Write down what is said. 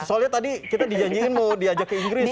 soalnya tadi kita dijanjikan mau diajak ke inggris loh